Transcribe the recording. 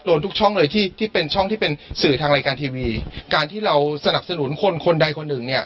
ทุกช่องเลยที่ที่เป็นช่องที่เป็นสื่อทางรายการทีวีการที่เราสนับสนุนคนคนใดคนหนึ่งเนี่ย